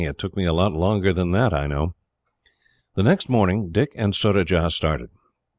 It took me a lot longer than that, I know." The next morning, Dick and Surajah started.